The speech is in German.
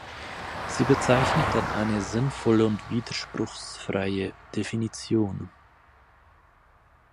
Sie bezeichnet dann eine sinnvolle und widerspruchsfreie Definition.